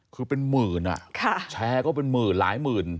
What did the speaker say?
คือเป็นหมื่นอ่ะแชร์ก็เป็นหมื่นหลายหมื่น